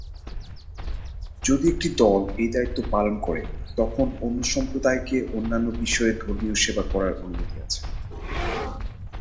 যদি একটি দল এই দায়িত্ব পালন করে, তখন অন্য সম্প্রদায়কে অন্যান্য বিষয়ে ধর্মীয় সেবা করার অনুমতি আছে।